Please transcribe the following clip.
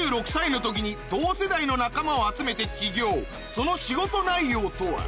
その仕事内容とは？